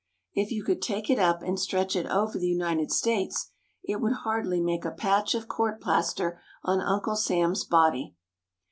If you could take it up and stretch it over the United States it would hardly make a patch of court plaster on Uncle Sam's body.